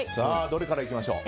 どれからいきましょう？